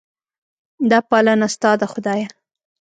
دا پالنه ستا ده خدایه.